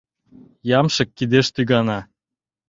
Ямшык кидеш тӱгана.